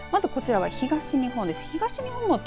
まずこちらは東日本です。